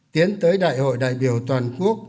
tiến tới đại hội đảng bộ trực thuộc trung ương